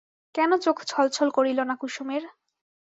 কেন চোখ ছলছল করিল না কুসুমের?